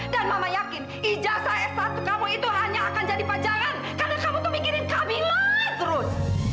dan mama yakin ijazah s satu kamu itu hanya akan jadi pajangan karena kamu tuh mikirin camilla terus